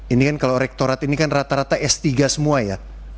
ini kan kalau rektorat ini kan rata rata s tiga semua ya